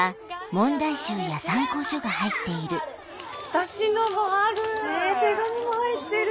私のもある。